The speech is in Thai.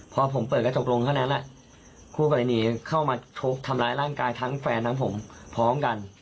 พอผมเปิดกระจกลงเท่านั้นแหละคู่กรณีเข้ามาโชคทำร้ายร่างกายทั้งแฟนทั้งผมพร้อมกัน